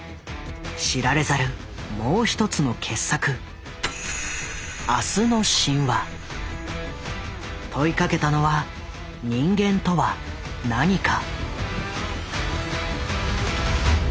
知られざるもう一つの傑作問いかけたのは人間とは何か。